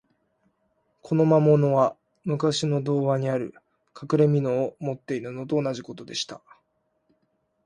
この魔物は、むかしの童話にある、かくれみのを持っているのと同じことでした。